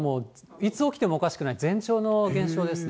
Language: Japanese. いつ起きてもおかしくない前兆の現象ですね。